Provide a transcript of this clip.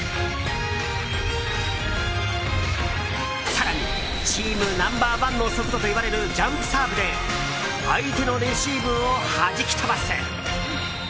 更に、チームナンバー１の速度といわれるジャンプサーブで相手のレシーブをはじき飛ばす！